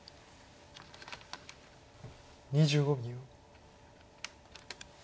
２５秒。